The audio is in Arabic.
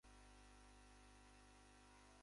لم تَر عينا ناظرٍ شبهيهما